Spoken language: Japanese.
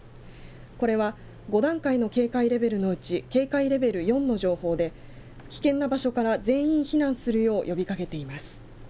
これは５段階の警戒レベルのうち警戒レベル４の情報で危険な場所から全員避難するよう呼びかけています。